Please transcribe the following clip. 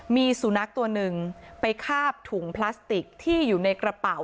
มีสุนัขตัวหนึ่งไปคาบถุงพลาสติกที่อยู่ในกระเป๋า